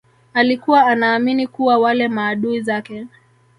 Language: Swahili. alikuwa anaamini kuwa wale maadui zake